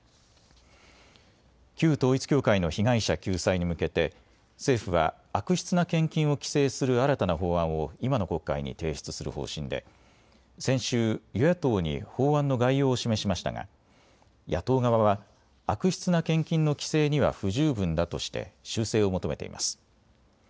旧統一教会の被害者救済に向けて政府は悪質な献金を規制する新たな法案を今の国会に提出する方針で先週、与野党に法案の概要を示しましたが野党側は悪質な献金の規制には不十分だとして修正を求めています。